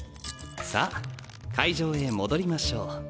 さあ会場へ戻りましょう。